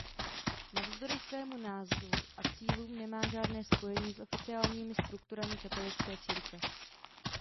Navzdory svému názvu a cílům nemá žádné spojení s oficiálními strukturami katolické církve.